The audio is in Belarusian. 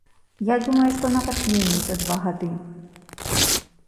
Я думаю, што нават меней за два гады.